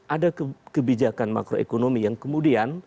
ada kebijakan makroekonomi yang kemudian